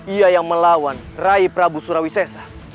ia yang melawan rai prabu surawi sesa